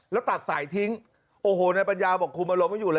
แล้วตัดสายทิ้งโอ้โหนายปัญญาบอกคุมอารมณ์ไม่อยู่เลย